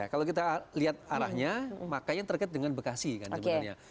kalau kita lihat arahnya makanya terkait dengan bekasi kan sebenarnya